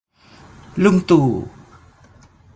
ลุงตู่